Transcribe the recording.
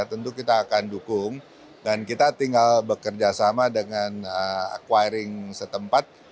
ya tentu kita akan dukung dan kita tinggal bekerjasama dengan acquiring setempat